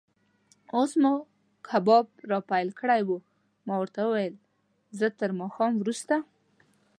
اوس مو کباب را پیل کړی و، ما ورته وویل: زه تر ماښام وروسته.